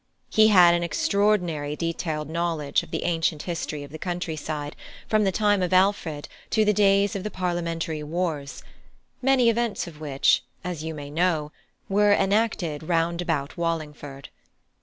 He had an extraordinary detailed knowledge of the ancient history of the country side from the time of Alfred to the days of the Parliamentary Wars, many events of which, as you may know, were enacted round about Wallingford.